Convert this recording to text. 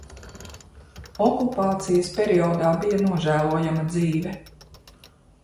Okupācijas periodā bija nožēlojama dzīve.